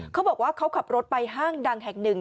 เขาบอกว่าเขาขับรถไปห้างดังแห่งหนึ่ง